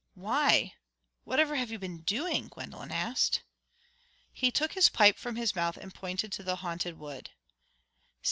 "Why, whatever have you been doing?" Gwendolen asked. He took his pipe from his mouth and pointed to the Haunted Wood.